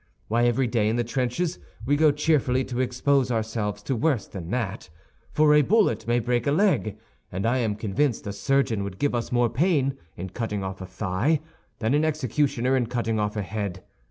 Why, every day in the trenches we go cheerfully to expose ourselves to worse than that—for a bullet may break a leg, and I am convinced a surgeon would give us more pain in cutting off a thigh than an executioner in cutting off a head.